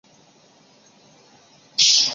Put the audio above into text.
两个站台在付费区内有一条换乘通道连通。